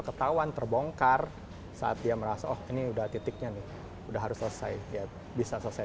ketahuan terbongkar saat dia merasa oh ini udah titiknya nih udah harus selesai ya bisa selesai